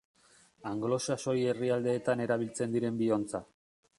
Anglosaxoi herrialdeetan erabiltzen diren bi ontza.